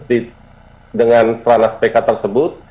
saat ini dengan serana spk tersebut